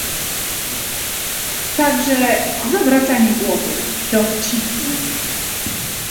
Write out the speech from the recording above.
"Także zawracanie głowy... Dowcipny!"